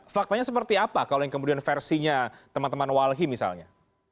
faktanya seperti apa kalau yang kemudian versinya teman teman walhi misalnya